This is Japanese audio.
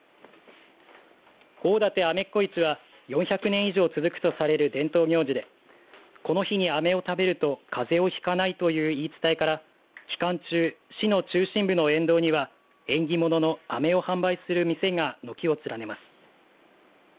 大館アメッコ市は４００年以上続くとされる伝統行事でこの日にアメを食べるとかぜをひかないという言い伝えから期間中、市の中心部の沿道には縁起物のアメを販売する店が軒を連ねます。